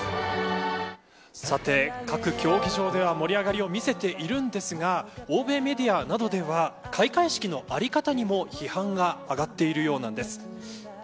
さて、各競技場では盛り上がりを見せているんですが欧米メディアなどでは開会式の在り方にも、批判が上がっているようなんです。